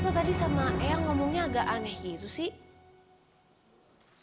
gue tadi sama eyang ngomongnya agak aneh gitu sih